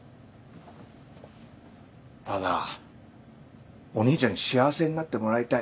ただお兄ちゃんに幸せになってもらいたい。